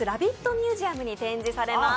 ミュージアムに展示されます。